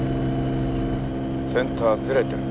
センターずれてる。